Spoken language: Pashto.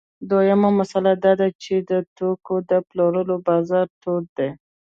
دویمه مسئله دا ده چې د توکو د پلورلو بازار تود دی